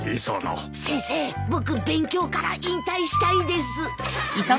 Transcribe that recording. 先生僕勉強から引退したいです。